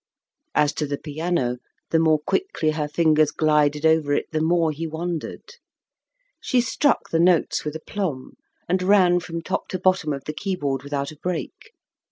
As to the piano, the more quickly her fingers glided over it the more he wondered. She struck the notes with aplomb, and ran from top to bottom of the keyboard without a break.